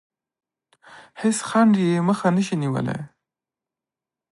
هیڅ خنډ یې مخه نه شي نیولی.